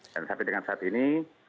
dan sampai dengan saat ini